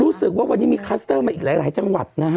รู้สึกว่าวันนี้มีคลัสเตอร์มาอีกหลายจังหวัดนะฮะ